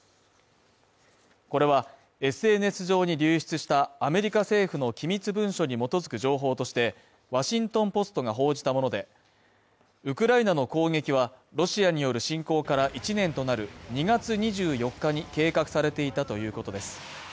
これは、ＳＮＳ上に流出したアメリカ政府の機密文書に基づく情報として「ワシントン・ポスト」が報じたもので、ウクライナの攻撃は、ロシアによる侵攻から１年となる２月２４日に計画されていたということです。